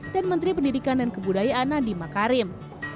dan menteri pendidikan dan kebudayaan nandima karim